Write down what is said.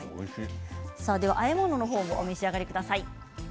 あえ物の方もお召し上がりください。